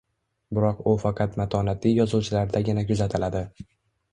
Biroq u faqat matonatli yozuvchilardagina kuzatiladi